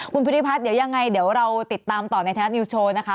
คุณภูริพัฒน์เดี๋ยวยังไงเดี๋ยวเราติดตามต่อในไทยรัฐนิวส์โชว์นะคะ